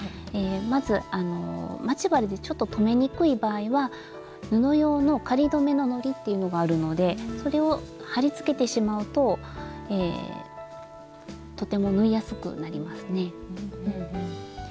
まず待ち針でちょっと留めにくい場合は布用の仮留めののりっていうのがあるのでそれを貼りつけてしまうととても縫いやすくなりますね。